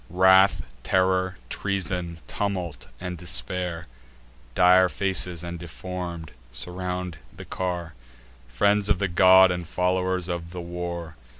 Wrath, Terror, Treason, Tumult, and Despair (Dire faces, and deform'd) surround the car; Friends of the god, and followers of the war.